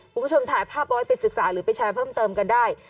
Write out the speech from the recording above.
คุณผู้ชมถ่ายภาพเอาไว้ไปศึกษาหรือไปแชร์เพิ่มเติมกันได้